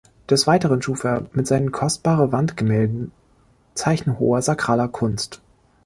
Des Weiteren schuf er mit seinen kostbare Wandgemälden Zeichen hoher sakraler Kunst.